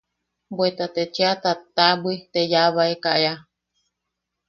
Bweta te cheʼa tataʼabwi te yaabaeka ea.